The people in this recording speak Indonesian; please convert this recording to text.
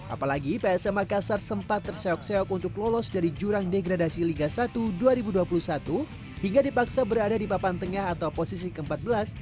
apalagi psm makassar sempat terseok seok untuk lolos dari jurang degradasi liga satu dua ribu dua puluh satu hingga dipaksa berada di papan tersebut